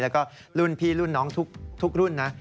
แล้วก็รุ่นพี่รุ่นน้องทุกรุ่นนะ